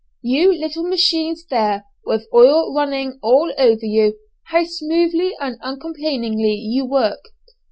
You little machines there, with oil running all over you, how smoothly and uncomplainingly you work!